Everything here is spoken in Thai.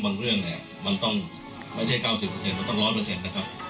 บางเรื่องเนี่ยมันต้องไม่ใช่เก้าสิบเปอร์เซ็นต์มันต้องร้อยเปอร์เซ็นต์นะครับ